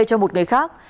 cho một người khác